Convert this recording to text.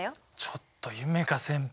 ちょっと夢叶先輩。